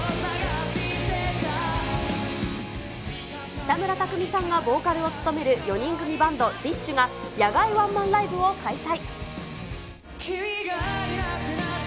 北村匠海さんがボーカルを務める４人組バンド、ＤＩＳＨ／／が野外ワンマンライブを開催。